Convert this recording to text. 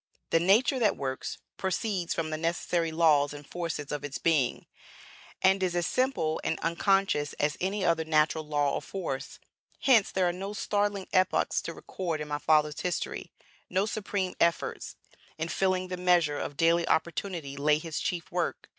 The nature that works, proceeds from the necessary laws and forces of its being, and is as simple and unconscious as any other natural law or force. Hence there are no startling epochs to record in my father's history, no supreme efforts; in filling the measure of daily opportunity lay his chief work.